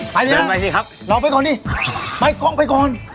ไปดีนะไปสิครับเราไปก่อนดิไปก่อนไปก่อน